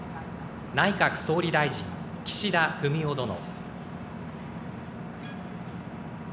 内閣総理大臣、岸田文雄殿。